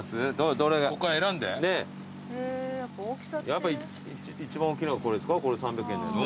やっぱ一番大きいのがこれですかこれ３００円のやつ。